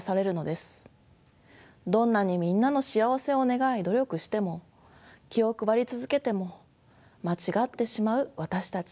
どんなにみんなの幸せを願い努力しても気を配り続けても間違ってしまう私たち。